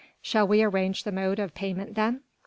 "Shall we arrange the mode of payment then?"